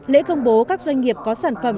lễ công bố các doanh nghiệp có sản phẩm